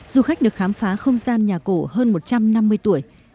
du khách được khám phá không gian nhà cổ hơn một trăm năm mươi tuổi